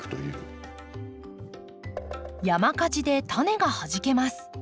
山火事でタネがはじけます。